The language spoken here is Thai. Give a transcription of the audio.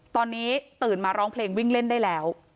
ตอนนี้ตื่นมาร้องเพลงวิ่งเล่นได้แล้ว